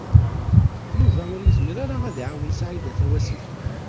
Yuba ur yezmir ara ad iɛawen Saɛida Tawasift.